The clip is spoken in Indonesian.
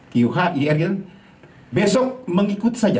qh ir besok mengikuti saja